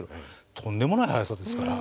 とんでもない速さですから。